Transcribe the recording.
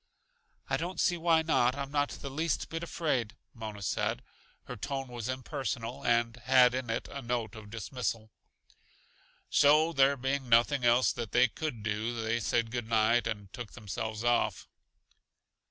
"I don't see why not; I'm not the least bit afraid," Mona said. Her tone was impersonal and had in it a note of dismissal. So, there being nothing else that they could do, they said good night and took themselves off.